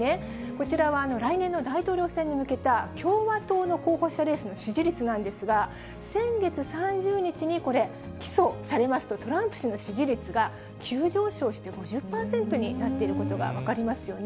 こちらは来年の大統領選に向けた、共和党の候補者レースの支持率なんですが、先月３０日にこれ、起訴されますと、トランプ氏の支持率が、急上昇して５０％になっていることが分かりますよね。